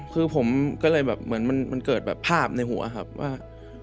คือผมก็เลยแบบเหมือนมันเกิดแบบภาพในหัวครับว่า